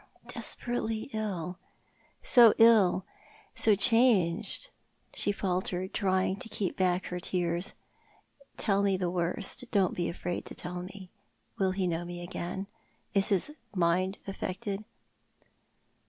" Desperately ill— so ill, so changed," she faltered, trying to Death hi Life. 287 keep back her tears. " Tell me the worst — don't be afraid to tell Die. Will he know me again ? Is his mind affected